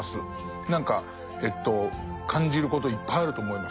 何か感じることいっぱいあると思いますまだまだ。